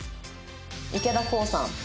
池田航さん。